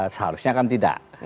seharusnya kan tidak